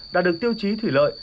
đã được tiêu chí thủy lợi